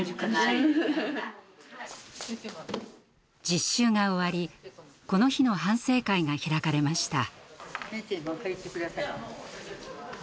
実習が終わりこの日の反省会が開かれました。